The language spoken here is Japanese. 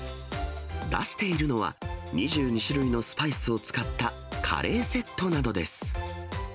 出しているのは、２２種類のスパイスを使ったカレーセットなどです。